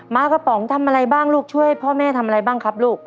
้ากระป๋องทำอะไรบ้างลูกช่วยพ่อแม่ทำอะไรบ้างครับลูก